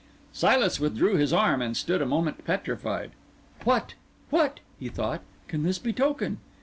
Silas withdrew his arm and stood a moment petrified. "What, what," he thought, "can this betoken?"